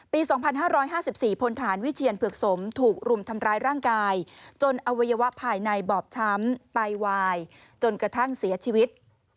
ปี๒๕๕๔พลฐานวิเชียนเผือกสมถูกรุมทำร้ายร่างกายจนอวัยวะภายในบอบช้ำไตวายจนกระทั่งเสียชีวิต